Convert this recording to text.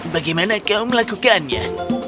bagaimana kau melakukannya